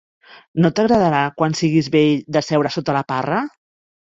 No t'agradarà quan sigues vell de seure sota la parra?